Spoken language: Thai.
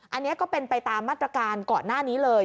อันนี้ก็เป็นไปตามมาตรการก่อนหน้านี้เลย